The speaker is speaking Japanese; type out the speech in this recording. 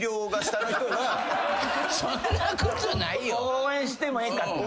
応援してもええかって。